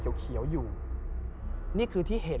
พระพุทธพิบูรณ์ท่านาภิรม